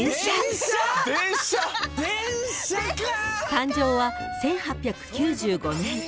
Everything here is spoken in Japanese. ［誕生は１８９５年］